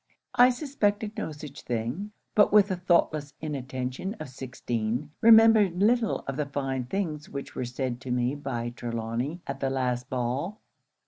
'I suspected no such thing; but with the thoughtless inattention of sixteen, remembered little of the fine things which were said to me by Trelawny at the last ball.